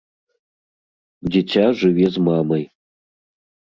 Дзіця жыве з мамай.